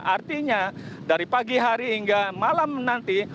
artinya dari pagi hari hingga malam nanti